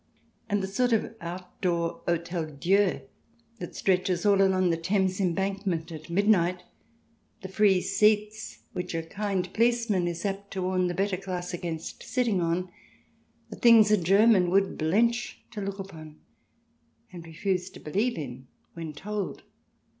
And the sort of outdoor Hotel Dieu that stretches all along the Thames Embank ment at midnight ; the free seats, which a kind policeman is apt to warn the better class against sitting on, are things a German would blench to look upon and refuse to believe in when told.